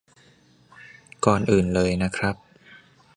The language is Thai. ก่อนอื่นเลยนะครับ